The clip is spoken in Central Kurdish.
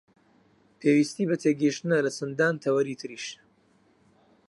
پێویستی بە تێگەیشتنە لە چەندان تەوەری تریش